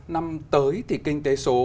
năm tới thì kinh tế số